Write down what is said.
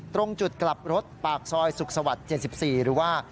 ตรงจุดกลับรถปากซอยสุขสวรรค์๗๔หรือว่า